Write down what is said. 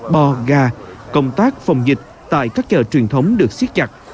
bò gà công tác phòng dịch tại các chợ truyền thống được siết chặt